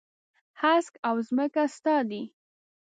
هسک او ځمکه ستا دي.